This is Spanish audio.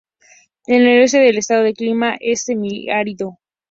En el oeste del estado el clima es semiárido.